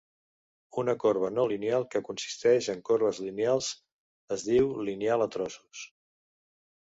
Una corba no lineal que consisteix en corbes lineals es diu lineal a trossos.